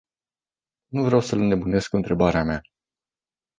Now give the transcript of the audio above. Nu vreau să-l înnebunesc cu întrebarea mea.